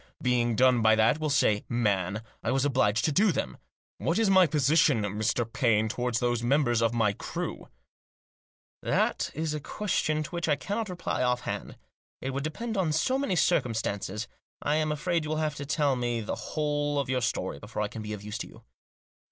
Being done by that, we'll say, man, I was obliged to do them. What is my position, Mr. Paine, toward those members of the crew ?" "That is a question to which I cannot reply off hand. It would depend on so many circumstances. I am afraid you will have to tell me the whole of your story before I can be of use to you."